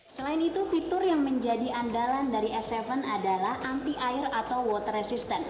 selain itu fitur yang menjadi andalan dari s tujuh adalah anti air atau water resistance